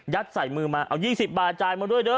ใส่มือมาเอา๒๐บาทจ่ายมาด้วยเด้อ